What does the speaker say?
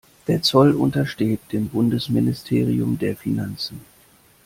Der Zoll untersteht dem Bundesministerium der Finanzen.